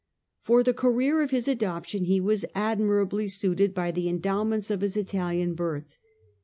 For the career of his adoption he was admirably suited by the endowments of his Italian birth.